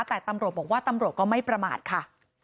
แต่ตำรวจบอกว่าตำรวจก็ไม่ประมาทค่ะ